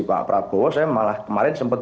pak prabowo saya malah kemarin sempat